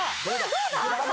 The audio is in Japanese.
どうだ？